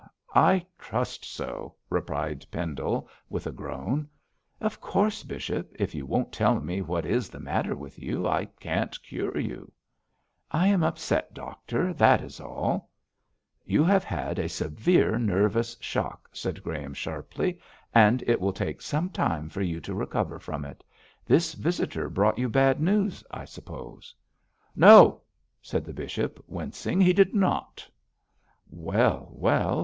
'I trust so!' replied Pendle, with a groan. 'Of course, bishop, if you won't tell me what is the matter with you, I can't cure you.' 'I am upset, doctor, that is all.' 'You have had a severe nervous shock,' said Graham, sharply, 'and it will take some time for you to recover from it. This visitor brought you bad news, I suppose?' 'No!' said the bishop, wincing, 'he did not.' 'Well! well!